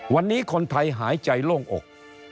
วันนี้คนไทยหายใจโล่งอก